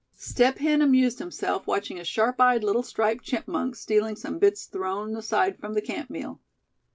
Step Hen amused himself watching a sharp eyed little striped chipmunk stealing some bits thrown aside from the camp meal.